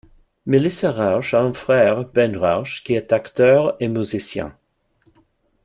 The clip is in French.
Melissa Rauch a un frère, Ben Rauch, qui est acteur et musicien.